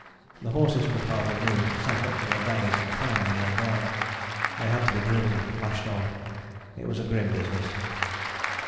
"The horses could hardly move, sank up to their bellies, and finally lay down. They had to be driven, lashed on. It was a grim business."